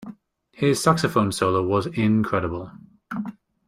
His saxophone solo was incredible.